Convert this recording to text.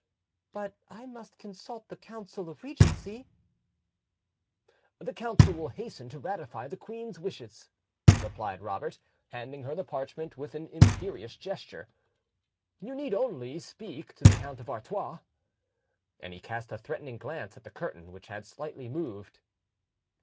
"But I must consult the council of regency." "The council will hasten to ratify the queen's wishes," replied Robert, handing her the parchment with an imperious gesture: "you need only speak to the Count of Artois." And he cast a threatening glance at the curtain, which had slightly moved.